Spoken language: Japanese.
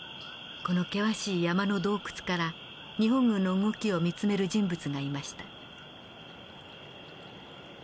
この険しい山の洞窟から日本軍の動きを見つめる人物がいました。